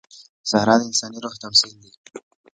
صحرا د انساني روح تمثیل دی.